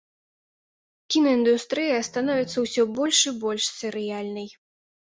Кінаіндустрыя становіцца ўсе больш і больш серыяльнай.